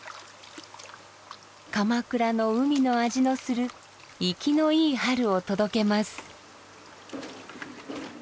鎌倉の海の味のする生きのいい春を届けます。